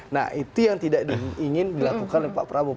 nah itu yang tidak ingin dilakukan oleh pak prabowo